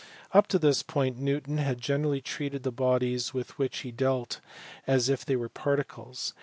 Up to this point Newton had generally treated the bodies with which he dealt as if they were particles.